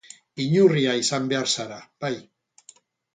Inurria izan behar zara, bai.